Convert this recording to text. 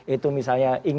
itu misalnya ingin pak